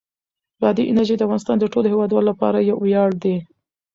بادي انرژي د افغانستان د ټولو هیوادوالو لپاره یو ویاړ دی.